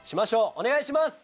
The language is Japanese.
お願いします！